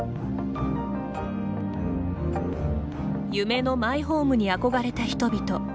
夢のマイホームに憧れた人々。